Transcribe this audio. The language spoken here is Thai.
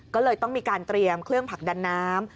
ก็เลยต้องมีการเตรียมเครื่องผลักดันน้ำ